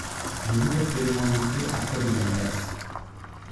முருகப்பெருமானுக்கு அப்படி அல்ல.